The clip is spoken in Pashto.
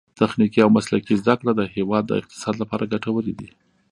تخنیکي او مسلکي زده کړې د هیواد د اقتصاد لپاره ګټورې دي.